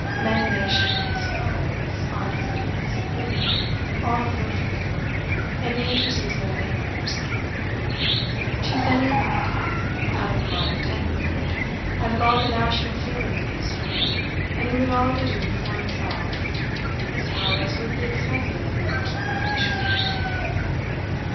Men, nations, poets, artisans, women, all have worked for him, and he enters into their labors. Choose any other thing, out of the line of tendency, out of the national feeling and history, and he would have all to do for himself: his powers would be expended in the first preparations.